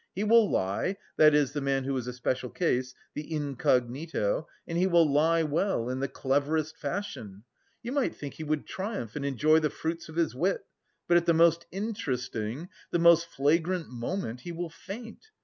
He will lie that is, the man who is a special case, the incognito, and he will lie well, in the cleverest fashion; you might think he would triumph and enjoy the fruits of his wit, but at the most interesting, the most flagrant moment he will faint.